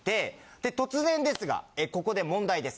で突然ですがここで問題です。